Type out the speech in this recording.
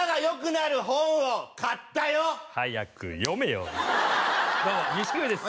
なる本を買ったよ早く読めよどうも錦鯉です